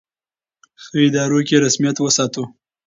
په ادارو کې یې رسمیت وساتو.